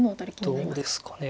どうですかね。